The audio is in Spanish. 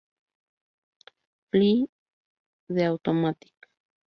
Fly y The Automatic.